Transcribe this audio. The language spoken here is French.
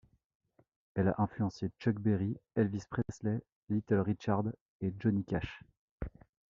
Elle a influencé Chuck Berry, Elvis Presley, Little Richard et Johnny Cash.